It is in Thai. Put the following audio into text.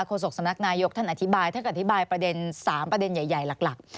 โศกสำนักนายกท่านอธิบายท่านก็อธิบายประเด็น๓ประเด็นใหญ่หลัก